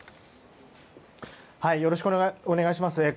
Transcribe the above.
よろしくお願いします。